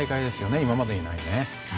今までにない。